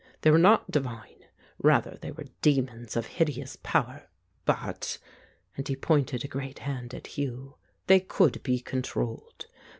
They were not divine, rather they were demons, of hideous power, but "— and he pointed a great hand at Hugh — "they could be controlled.